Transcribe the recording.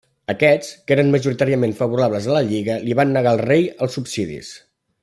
Aquests, que eren majoritàriament favorables a la Lliga, li van negar al rei els subsidis.